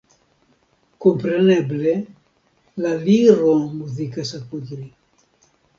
Kompreneble la Liro muzikas apud li.